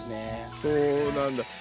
そうなんだ。